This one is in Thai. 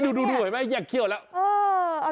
นี่ดูเห็อมั้ยแยกเคี่ยวแล้ว